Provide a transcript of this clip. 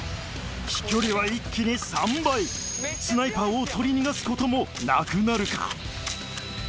飛距離は一気に３倍スナイパーを取り逃がすこともなくなるか？